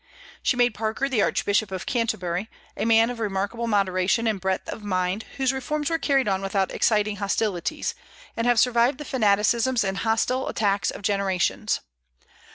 She made Parker the Archbishop of Canterbury, a man of remarkable moderation and breadth of mind, whose reforms were carried on without exciting hostilities, and have survived the fanaticisms and hostile attacks of generations.